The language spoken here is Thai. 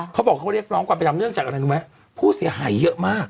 เขาบอกเขาเรียกร้องความเป็นธรรมเนื่องจากอะไรรู้ไหมผู้เสียหายเยอะมาก